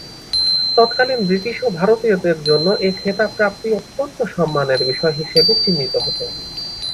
তৎকালীন ব্রিটিশ ও ভারতীয়দের জন্য এ খেতাব প্রাপ্তি অত্যন্ত সম্মানের বিষয় হিসেবে চিহ্নিত হতো।